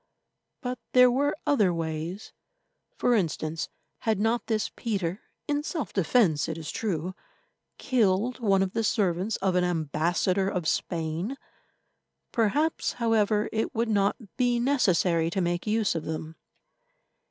But there were other ways. For instance, had not this Peter, in self defence it is true, killed one of the servants of an ambassador of Spain? Perhaps, however, it would not be necessary to make use of them.